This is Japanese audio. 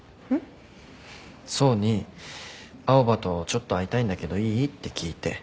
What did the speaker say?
想に青羽とちょっと会いたいんだけどいい？って聞いて。